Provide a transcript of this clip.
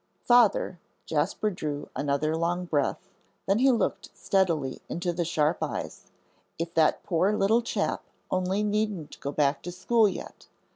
"Father," Jasper drew another long breath, then he looked steadily into the sharp eyes, "if that poor little chap only needn't go back to school yet.